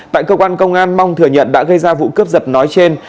tại cơ quan công an mong thừa nhận đã gây ra vụ cướp giật nói trên